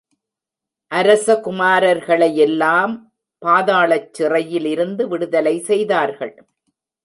அரசகுமாரர்களையெல்லாம் பாதாளச் சிறையிலிருந்து விடுதலை செய்தார்கள்.